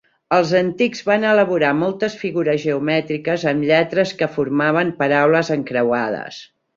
Els antics van elaborar moltes figures geomètriques amb lletres que formaven paraules encreuades.